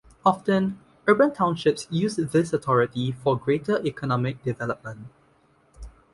Often, urban townships use this authority for greater economic development.